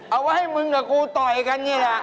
เอาไว้ให้มึงกับกูต่อยกันนี่แหละ